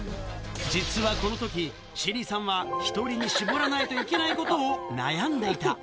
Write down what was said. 実はこのとき、ＳＨＥＬＬＹさんは、１人に絞らないといけないことを悩んでいた。